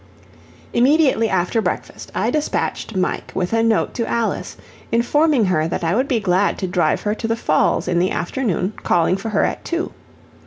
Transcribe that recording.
Immediately after breakfast I despatched Mike with a note to Alice, informing her that I would be glad to drive her to the Falls in the afternoon calling for her at two.